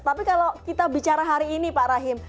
tapi kalau kita bicara hari ini pak rahim